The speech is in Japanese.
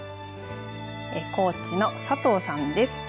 高知の佐藤さんです。